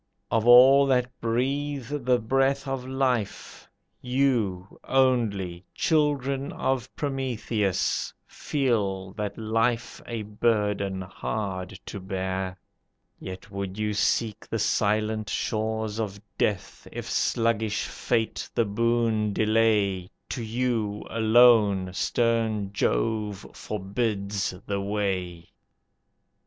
Of all that breathe the breath of life, You, only, children of Prometheus, feel That life a burden hard to bear; Yet, would you seek the silent shores of death, If sluggish fate the boon delay, To you, alone, stern Jove forbids the way.